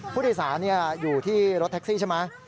ผู้โดยสารอยู่ที่รถแท็กซี่ใช่ไหม